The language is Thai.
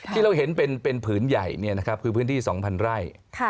ที่เราเห็นเป็นผืนใหญ่คือพื้นที่๒๐๐ไร่